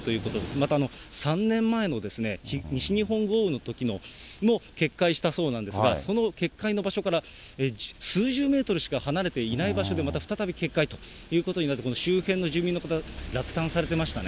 また、３年前の西日本豪雨のときも決壊したそうなんですが、その決壊の場所から数十メートルしか離れていない場所で、また再び決壊ということで、周辺の住民の方、落胆されてましたね。